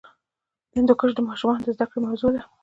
هندوکش د ماشومانو د زده کړې موضوع ده.